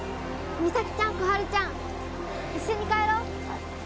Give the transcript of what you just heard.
実咲ちゃん心春ちゃん一緒に帰ろう